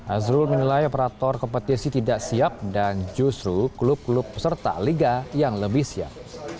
azrul menilai operator kompetisi tidak siap dan justru klub klub peserta liga yang lebih siap